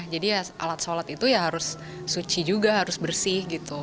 jadi alat sholat itu ya harus suci juga harus bersih gitu